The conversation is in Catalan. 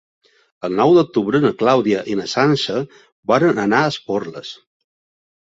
El nou d'octubre na Clàudia i na Sança volen anar a Esporles.